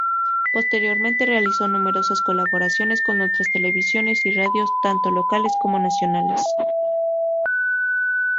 Posteriormente, realizó numerosas colaboraciones con otras televisiones y radios tanto locales como nacionales.